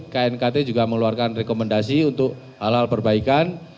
knkt juga mengeluarkan rekomendasi untuk hal hal perbaikan